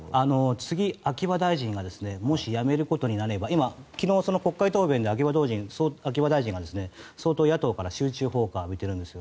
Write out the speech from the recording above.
次、秋葉大臣がもし辞めることになれば昨日、国会答弁で秋葉大臣が相当、野党から集中砲火を浴びているんです。